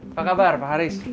apa kabar pak haris